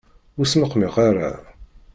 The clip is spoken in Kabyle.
Ur smeqmiq ara!